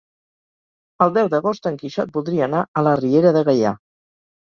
El deu d'agost en Quixot voldria anar a la Riera de Gaià.